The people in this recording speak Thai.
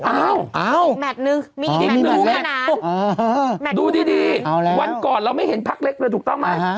อ้าวมีแหมดหนูขนาดนั้นดูดีวันก่อนเราไม่เห็นพักเล็กเลยถูกต้องไหม